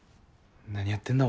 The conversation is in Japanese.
何やってんだ？